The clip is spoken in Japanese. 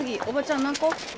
おばちゃん何個？